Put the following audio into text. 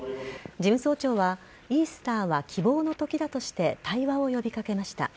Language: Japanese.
事務総長はイースターは希望の時だとして対話を呼び掛けました。